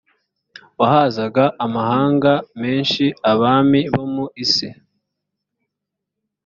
wahazaga amahanga menshi abami bo mu isi